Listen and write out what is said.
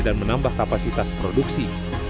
dan menambah kapasitas produksi